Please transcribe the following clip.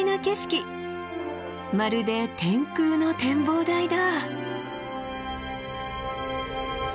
まるで天空の展望台だ。